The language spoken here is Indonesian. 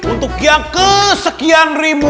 untuk yang kesekian ribu